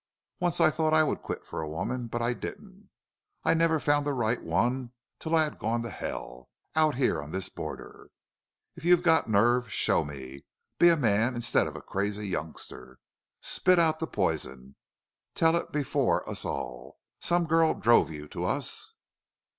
Once I thought I would quit for a woman. But I didn't. I never found the right one till I had gone to hell out here on this border.... If you've got nerve, show me. Be a man instead of a crazy youngster. Spit out the poison.... Tell it before us all!... Some girl drove you to us?"